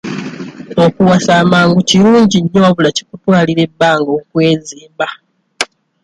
Okuwasa amangu kirungi nnyo wabula kikutwalira ebbanga okwezimba.